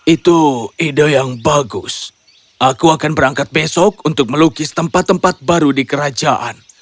itu ide yang bagus aku akan berangkat besok untuk melukis tempat tempat baru di kerajaan